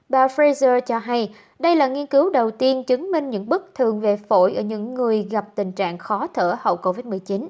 bà pfizer cho hay đây là nghiên cứu đầu tiên chứng minh những bức thường về phổi ở những người gặp tình trạng khó thở hậu covid một mươi chín